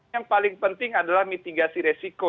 yang paling penting adalah mitigasi resiko